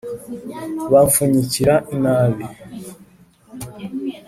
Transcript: bamfunyikira inabi!